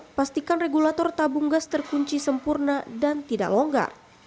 memastikan regulator tabung gas terkunci sempurna dan tidak longgar